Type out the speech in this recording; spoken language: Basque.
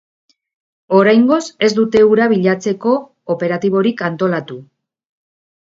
Oraingoz ez dute hura bilatzeko operatiborik antolatu.